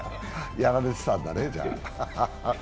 やられてたんだね、じゃ。